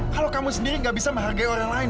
kalau kamu sendiri gak bisa menghargai orang lain